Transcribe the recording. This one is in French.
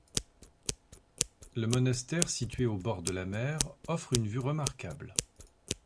Le monastère, situé au bord de la mer, offre une vue remarquable.